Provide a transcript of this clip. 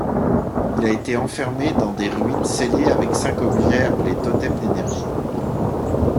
Il a été enfermé dans des ruines scellées avec cinq objets appelés Totems d'énergie.